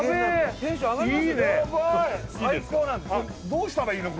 どうしたらいいの？